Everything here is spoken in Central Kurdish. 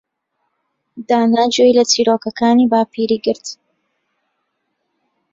دانا گوێی لە چیرۆکەکانی باپیری گرت.